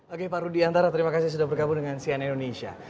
oke pak rudi antara terima kasih sudah berkabut dengan sian indonesia